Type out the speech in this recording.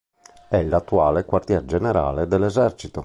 È l'attuale Quartier generale dell'Esercito.